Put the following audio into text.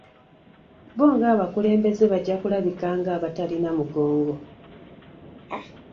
Bo ng'abakulembeze bajja kulabika ng'abatalina mugongo.